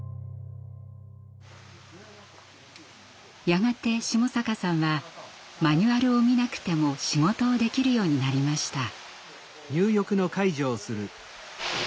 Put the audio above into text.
やがて下坂さんはマニュアルを見なくても仕事をできるようになりました。